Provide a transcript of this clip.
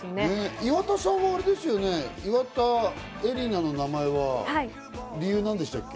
岩田さんは岩田絵里奈の名前の理由は何でしたっけ？